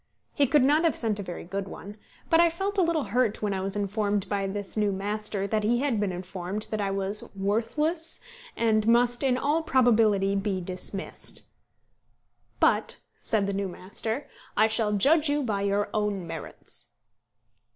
He could not have sent a very good one; but I felt a little hurt when I was informed by this new master that he had been informed that I was worthless, and must in all probability be dismissed. "But," said the new master, "I shall judge you by your own merits."